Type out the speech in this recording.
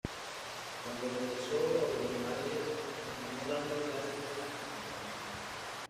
Cuando regresó a Buenos Aires, continuó dando clases hasta su muerte.